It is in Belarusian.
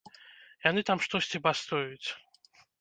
Яны там штосьці бастуюць.